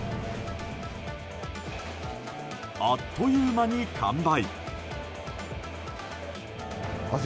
あっという間に完売。